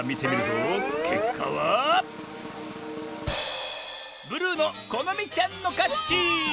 けっかはブルーのこのみちゃんのかち！